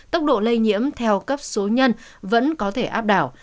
tốc độ lây nhiễm theo cấp số nhân vẫn có thể áp đảo